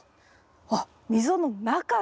あっ溝の中に。